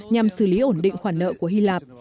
nhằm xử lý ổn định khoản nợ của hy lạp